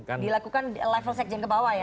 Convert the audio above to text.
dilakukan level sekjen ke bawah ya